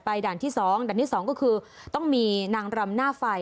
ด่านที่๒ด่านที่๒ก็คือต้องมีนางรำหน้าไฟ